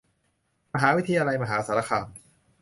มหาวิทยาลัยมหาสารคาม